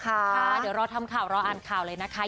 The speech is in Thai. ค่ะเดี๋ยวรอทำข่าวรออ่านข่าวเลยนะคะ